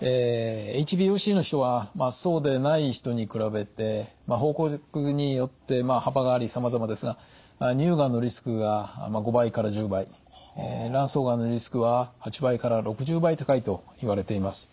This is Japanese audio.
ＨＢＯＣの人はそうでない人に比べて報告によって幅がありさまざまですが乳がんのリスクが５倍から１０倍卵巣がんのリスクは８倍から６０倍高いといわれています。